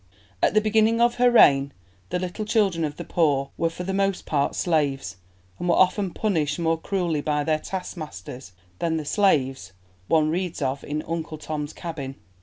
At the beginning of her reign the little children of the poor were for the most part slaves, and were often punished more cruelly by their taskmasters than the slaves one reads of in Uncle Tom's Cabin.